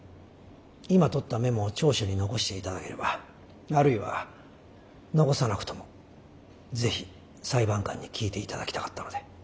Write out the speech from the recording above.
今とったメモを調書に残していただければあるいは残さなくとも是非裁判官に聞いていただきたかったので。